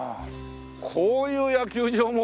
こういう野球場も。